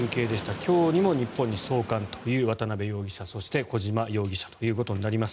今日にも日本に送還という渡邉容疑者と小島容疑者ということになります。